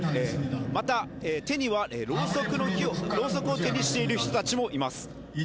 また手にはろうそくをともしている人たちもいます。